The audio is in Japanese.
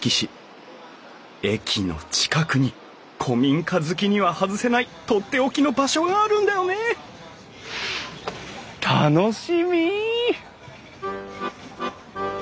駅の近くに古民家好きには外せないとっておきの場所があるんだよね楽しみ！